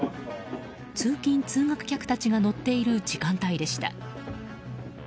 通勤・通学客たちが乗っている時間帯でした。